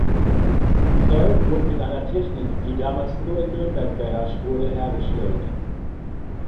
Die Säulen wurden mit einer Technik, die damals nur in Nürnberg beherrscht wurde, hergestellt.